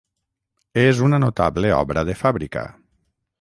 És una notable obra de fàbrica.